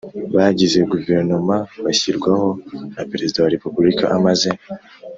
bagize Guverinoma bashyirwaho na Perezida wa Repubulika amaze